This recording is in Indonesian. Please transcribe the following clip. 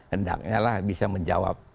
hendaknya lah bisa menjawab